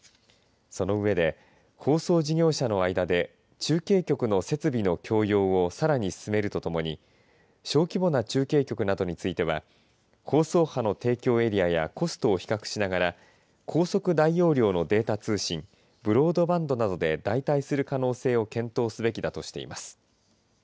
その上で放送事業者の間で中継局の設備の共用をさらに進めるとともに小規模な中継局などについては放送波の提供エリアやコストを比較しながら高速大容量のデータ通信ブロードバンドなどで代替する可能性を検討すべきだとしています。